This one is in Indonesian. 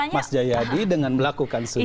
mas jayadi dengan melakukan survei